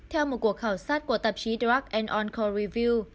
theo một cuộc khảo sát của tạp chí drug and on call review